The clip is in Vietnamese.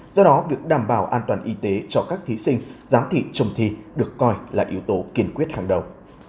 do đó việc đảm bảo an toàn y tế cho các thí sinh giám thị trong thi được coi là yếu tố kiên quyết hàng đầu